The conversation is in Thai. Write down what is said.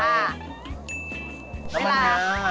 น้ำมะงา